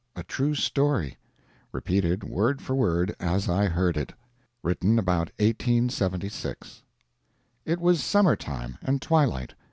A TRUE STORY REPEATED WORD FOR WORD AS I HEARD IT [Written about 1876] It was summer time, and twilight.